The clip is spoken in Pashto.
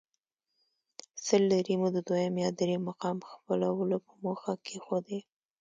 سل لیرې مو د دویم یا درېیم مقام خپلولو په موخه کېښودې.